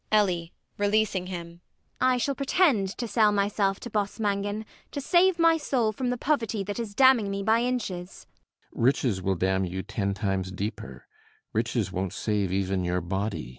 ELLIE [releasing him]. I shall pretend to sell myself to Boss Mangan to save my soul from the poverty that is damning me by inches.